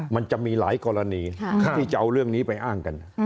มันจะมีหลายกรณีที่จะเอาเรื่องนี้ไปอ้างกัน